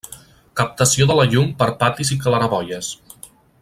Captació de la llum per patis i claraboies.